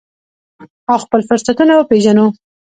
او خپل فرصتونه وپیژنو.